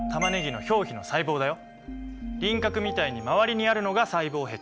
それが輪郭みたいに周りにあるのが細胞壁。